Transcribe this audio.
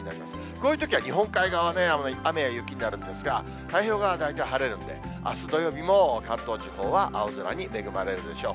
こういうときは日本海側ね、雨や雪になるんですが、太平洋側は大体晴れるんで、あす土曜日も関東地方は青空に恵まれるでしょう。